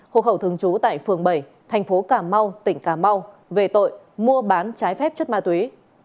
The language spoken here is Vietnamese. hộ khẩu thường trú tại phường bảy thành phố cà mau tỉnh cà mau về tội mua bán trái phép chất ma túy